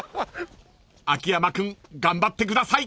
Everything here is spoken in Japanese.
［秋山くん頑張ってください］